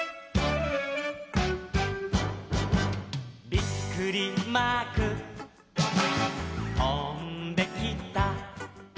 「びっくりマークとんできた」